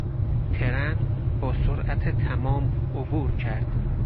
ترن با سرعت تمام عبور کرد.